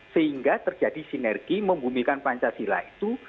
sehingga terjadi sinergi membumikan pancasila itu